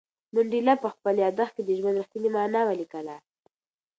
منډېلا په خپل یادښت کې د ژوند رښتینې مانا ولیکله.